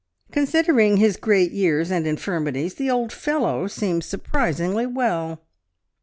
"Considering his great years and infirmities, the old fellow seems surprisingly well."